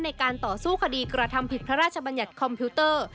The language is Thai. ในการต่อสู้คดีกระทำผิดพระราชบัญญัติคอมพิวเตอร์